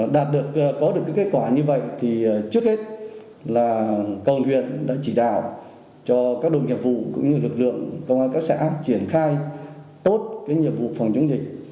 đạt được có được cái kết quả như vậy thì trước hết là công huyện đã chỉ đạo cho các đội nhiệm vụ cũng như lực lượng công an các xã áp triển khai tốt cái nhiệm vụ phòng chống dịch